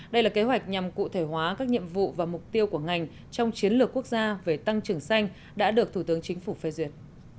đây là kế hoạch nhằm cụ thể hóa các nhiệm vụ và mục tiêu của ngành trong chiến lược quốc gia về tăng trưởng xanh đã được thủ tướng chính phủ phê duyệt